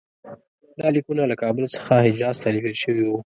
دا لیکونه له کابل څخه حجاز ته لېږل شوي وو.